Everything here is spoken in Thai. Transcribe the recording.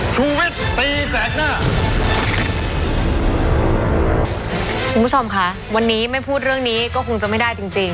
คุณผู้ชมค่ะวันนี้ไม่พูดเรื่องนี้ก็คงจะไม่ได้จริงจริง